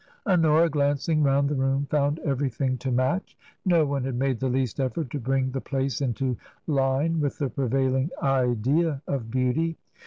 Honora, glancing round the room, found everything to match; no one had made the least efibrt to bring the place into line with the prevailing idea of beauty.